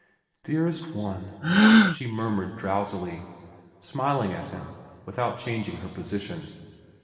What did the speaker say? ' Dearest one,' she murmured drowsily, smiling at him, without changing her position.